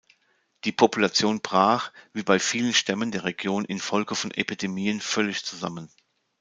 Die Population brach, wie bei vielen Stämmen der Region, infolge von Epidemien völlig zusammen.